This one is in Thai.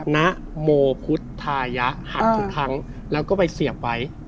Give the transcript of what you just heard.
ณโมพุทธายะหักทุกครั้งแล้วก็ไปเสียบไว้